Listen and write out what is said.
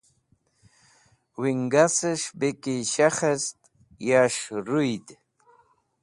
Wingasẽs̃h bẽ ki shekhet yas̃h rũyd.